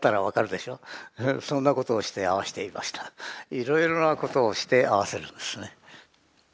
いろいろなことをして合わせるんですね。